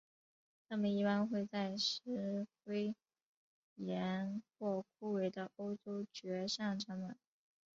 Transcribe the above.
它们一般会在石灰岩或枯萎的欧洲蕨上产卵。